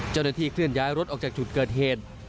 เจ้าหน้าที่เคลื่อนย้ายรถออกจากจุดเกิดเฮียด